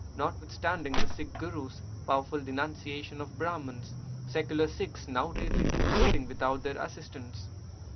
Notwithstanding the Sikh Gurus powerful denunciation of Brahmans, secular Sikhs now rarely do anything without their assistance.